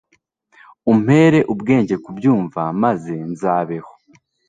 umpere ubwenge kubyumva maze nzabeho